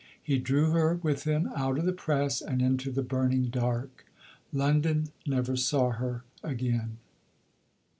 He drew her with him out of the press and into the burning dark. London never saw her again.